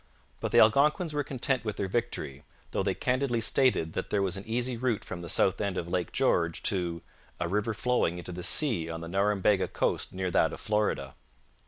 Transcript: But the Algonquins were content with their victory, though they candidly stated that there was an easy route from the south end of Lake George to 'a river flowing into the sea on the Norumbega coast near that of Florida.'